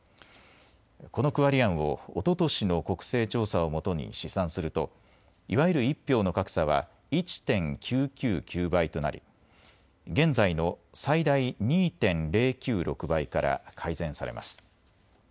この区割り案をおととしの国勢調査をもとに試算するといわゆる１票の格差は１．９９９倍となり現在の最大２．０９６倍から改善されます。